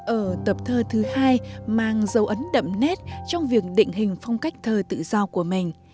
ở tập thơ thứ hai mang dấu ấn đậm nét trong việc định hình phong cách thơ tự do của mình